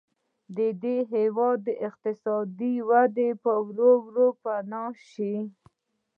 د دې هېواد اقتصادي وده به ورو ورو پناه شي.